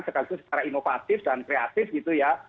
sekarang itu secara inovatif dan kreatif gitu ya